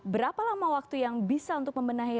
berapa lama waktu yang bisa untuk membenahi hal ini